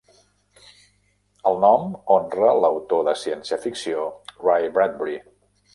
El nom honra l'autor de ciència-ficció Ray Bradbury.